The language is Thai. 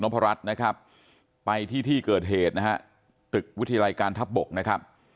พระรัชนะครับไปที่ที่เกิดเหตุนะฮะตึกวิทยาลัยการทัพบกนะครับ